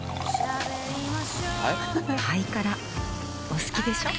お好きでしょ。